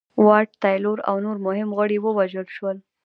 واټ تایلور او نور مهم غړي ووژل شول.